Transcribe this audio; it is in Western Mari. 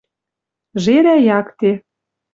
Жерӓ якте